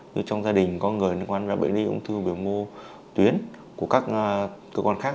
như trong gia đình có người liên quan bệnh lý ung thư biểu mô tuyến của các cơ quan khác